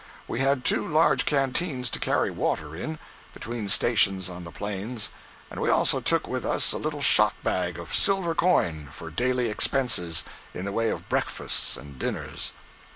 We had two large canteens to carry water in, between stations on the Plains, and we also took with us a little shot bag of silver coin for daily expenses in the way of breakfasts and dinners.